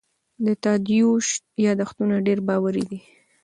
د تادیوش یادښتونه ډېر باوري دي.